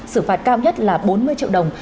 xử phạt cao nhất là bốn mươi triệu đồng